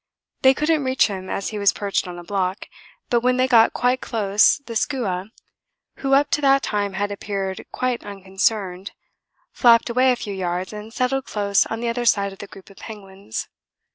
They couldn't reach him as he was perched on a block, but when they got quite close the skua, who up to that time had appeared quite unconcerned, flapped away a few yards and settled close on the other side of the group of penguins.